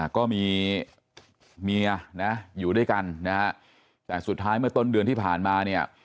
ก็มีเมียนะอยู่ด้วยกันนะฮะแต่สุดท้ายเมื่อต้นเดือนที่ผ่านมาเนี่ย